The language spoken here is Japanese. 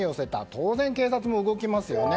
当然、警察も動きますよね。